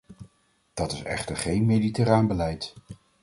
Dat is echter geen mediterraan beleid.